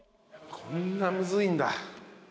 こんなむずいんだ。